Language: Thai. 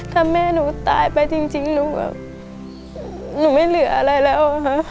ถ้าแม่หนูตายไปจริงหนูแบบหนูไม่เหลืออะไรแล้ว